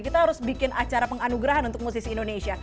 kita harus bikin acara penganugerahan untuk musisi indonesia